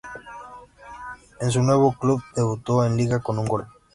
En su nuevo club debutó en liga con un gol.